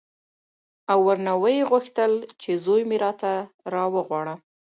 او ورنه ویې غوښتل چې زوی مې راته راوغواړه.